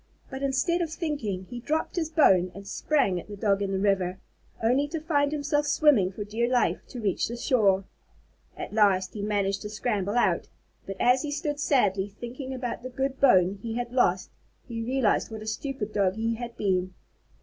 But instead of thinking, he dropped his bone and sprang at the Dog in the river, only to find himself swimming for dear life to reach the shore. At last he managed to scramble out, and as he stood sadly thinking about the good bone he had lost, he realized what a stupid Dog he had been.